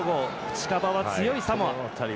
近場は強いサモア。